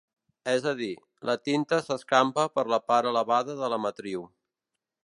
És a dir, la tinta s'escampa per la part elevada de la matriu.